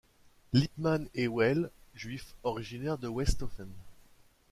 Lipmann et Weyl, juifs originaires de Westhoffen.